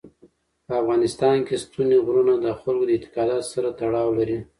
په افغانستان کې ستوني غرونه د خلکو د اعتقاداتو سره تړاو لري.